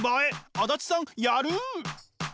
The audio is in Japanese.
足立さんやる！